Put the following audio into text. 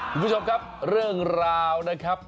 คุณผู้ชมครับเรื่องราวนะครับ